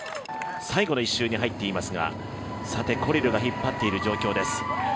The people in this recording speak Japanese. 最後の１周に入っていますがコリルが引っ張っている状況です。